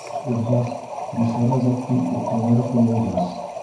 Эш уҙғас, бисара заттың уҡалары ҡойолғас...